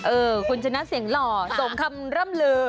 เออคุณชนะเสียงหล่อสมคำร่ำลือ